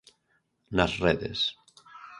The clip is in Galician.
Nas redes.